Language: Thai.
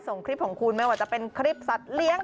ส่งคลิปของคุณไม่ว่าจะเป็นคลิปสัตว์เลี้ยง